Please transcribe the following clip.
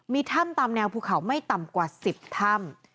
มีถ้ำตามแนวภูเขาไม่ต่ำกว่า๑๐ถ้ำ